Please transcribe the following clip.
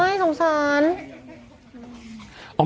โอ๊ยสงสาร